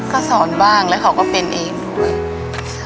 ก็สอนบ้างแล้วเขาก็เป็นเองด้วย